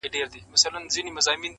o ګاونډي دي بچي پلوري له غربته,